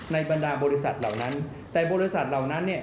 บรรดาบริษัทเหล่านั้นแต่บริษัทเหล่านั้นเนี่ย